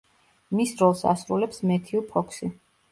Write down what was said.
მის როლს ასრულებს მეთიუ ფოქსი.